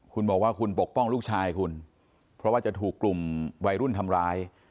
คุณบอกว่าคุณปกป้องลูกชายคุณเพราะว่าจะถูกกลุ่มวัยรุ่นทำร้าย